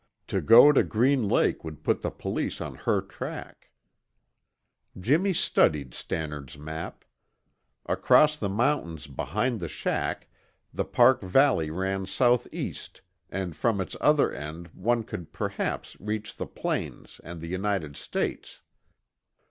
To go to Green Lake would put the police on her track. Jimmy studied Stannard's map. Across the mountains behind the shack, the park valley ran southeast and from its other end one could perhaps reach the plains and the United States.